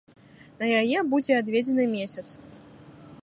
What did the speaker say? На яе будзе адведзены месяц.